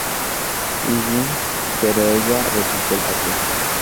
Higgins, pero ella rechazó el papel.